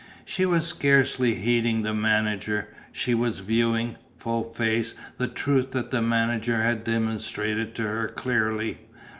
She was scarcely heeding the manager. She was viewing, full face, the truth that the manager had demonstrated to her clearly.